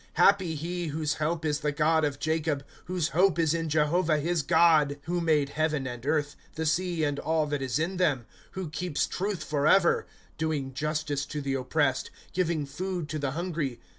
Happy he, whose help is the God of Jacob, J hope is in Jehovah his God ; ./Google PSALMS. " Who made heaven and earth, The sea, and all that is in them ; Who keeps truth forever ;^ Doing justice to the oppressed. Giving food to the hungry.